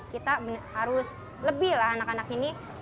kita harus lebih lah anak anak ini